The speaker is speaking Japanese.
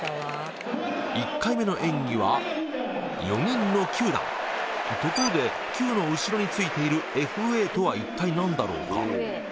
１回目の演技は４人の９段ところで９の後ろについている「ｆａ」とは一体何だろうか？